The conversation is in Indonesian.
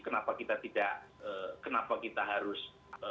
kenapa kita harus